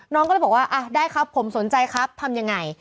น้องก็เลยบอกว่าได้ครับผมสนใจครับทำยังไง